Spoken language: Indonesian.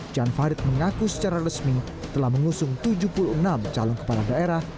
jan farid mengaku secara resmi telah mengusung tujuh puluh enam calon kepala daerah